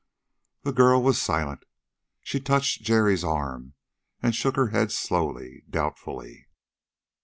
The girl was silent. She touched Jerry's arm, and shook her head slowly, doubtfully.